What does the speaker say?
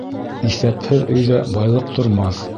Иҫәпһеҙ өйҙә байлыҡ тормаҫ.